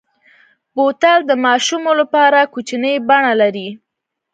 بوتل د ماشومو لپاره کوچنۍ بڼه لري.